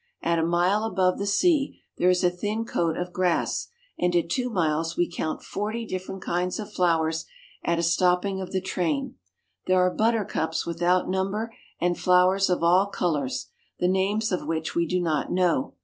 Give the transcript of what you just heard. At a mile above the sea there is a thin coat of grass, and at two miles we count forty different kinds of flowers at a stop ping of the train. There are buttercups without number, and flowers of all colors, the names of which we do not know.